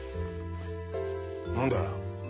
何だよ